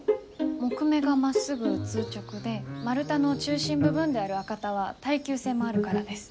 木目がまっすぐ通直で丸太の中心部分である赤太は耐久性もあるからです。